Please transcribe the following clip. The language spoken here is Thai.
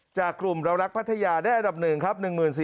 จากกลุ่มเรารักพัทยาได้อันดับ๑ครับ